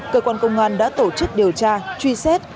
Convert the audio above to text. cơ quan công an đã tổ chức điều tra truy xét